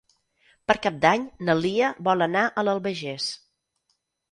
Per Cap d'Any na Lia vol anar a l'Albagés.